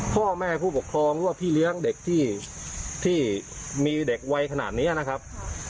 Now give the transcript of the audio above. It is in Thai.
พ่อแม่ผู้ปกครองหรือว่าพี่เลี้ยงเด็กที่มีเด็กวัยขนาดนี้นะครับ